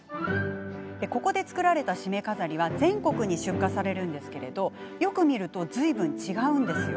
ここで作られたしめ飾りは全国に出荷されるんですがよく見るとずいぶん違うんですよ。